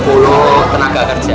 dua puluh tenaga kerja